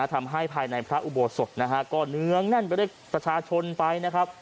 ทำให้ภายในพระอุโบสถนะฮะก็เนื้องแน่นไปด้วยประชาชนไปนะครับ